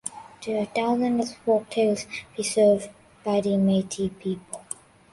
There are thousands of folktales preserved by the Meitei people.